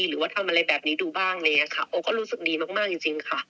หรือว่าทำอะไรแบบนี้ดูบ้างอะไรอย่างนี้ค่ะโอก็รู้สึกดีมากจริงค่ะ